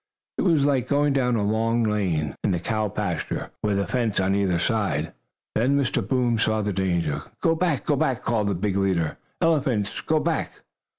It was like going down a long lane, in the cow pasture, with a fence on either side. Then Mr. Boom saw the danger. "Go back! Go back!" called the big leader elephant. "Go back!"